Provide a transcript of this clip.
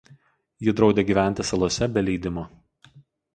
Ji draudė gyventi salose be leidimo.